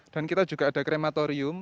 dan kita juga ada krematorium